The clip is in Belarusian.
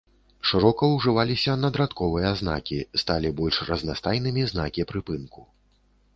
Шырока ўжываліся надрадковыя знакі, сталі больш разнастайнымі знакі прыпынку.